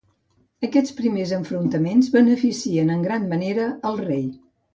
Aquests primers enfrontaments beneficien en gran manera al rei.